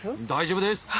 大丈夫です！